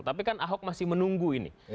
tapi kan ahok masih menunggu ini